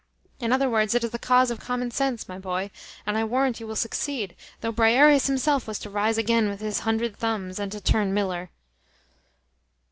In other words, it is the cause of common sense, my boy, and I warrant you will succeed, though Briarius himself was to rise again with his hundred thumbs, and to turn miller."